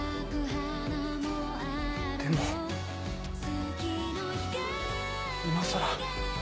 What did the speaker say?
でも今さら。